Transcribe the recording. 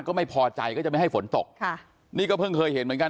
ก็ไม่พอใจก็จะไม่ให้ฝนตกค่ะนี่ก็เพิ่งเคยเห็นเหมือนกัน